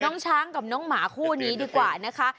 น้องช้างกับน้องหมาคู่นี้ดีกว่านะคะ